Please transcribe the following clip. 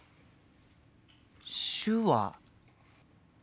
手話。